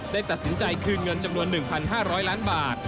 ตัดสินใจคืนเงินจำนวน๑๕๐๐ล้านบาท